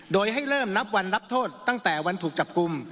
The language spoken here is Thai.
โดยให้เริ่มนับวันนับโทษตั้งแต่วันถูกจับกลุ่ม